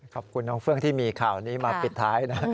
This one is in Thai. ขอบคุณน้องเฟื่องที่มีข่าวนี้มาปิดท้ายนะ